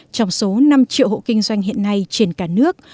trong số năm triệu hộ kinh doanh hiện nay trên cả nước